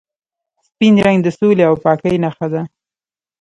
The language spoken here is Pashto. سپین رنګ د سولې او پاکۍ نښه ده.